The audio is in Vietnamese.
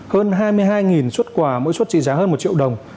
hơn hai mươi hai suất quà mỗi suất trị giá hơn một triệu đồng